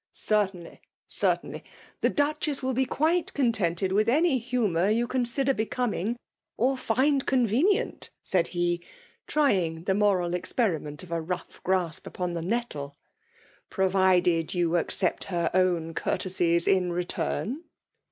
" Certainly — certainly. The Duchess will be quite contented with any humour you con sider becoming or find convenient," said he, trying the moral experiment of a rough grasp upon the nettle; "provided you accept het own courtesies in return.